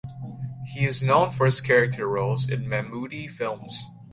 He is known for his character roles in Mammootty films.